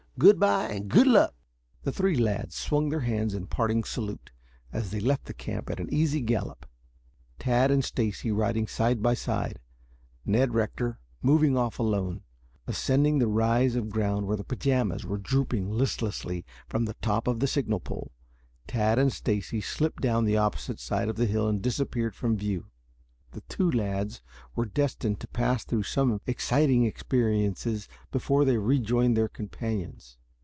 Good bye and good luck!" The three lads swung their hands in parting salute, as they left the camp at an easy gallop, Tad and Stacy riding side by side, Ned Rector moving off alone. Ascending the rise of ground where the pajamas were drooping listlessly from the top of the signal pole, Tad and Stacy slipped down the opposite side of the hill and disappeared from view. The two lads were destined to pass through some exciting experiences before they rejoined their companions.